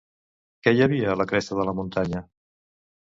Què hi havia a la cresta de la muntanya?